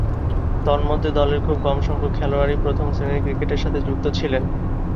তন্মধ্যে, দলের খুব কমসংখ্যক খেলোয়াড়ই প্রথম-শ্রেণীর ক্রিকেটের সাথে যুক্ত ছিলেন।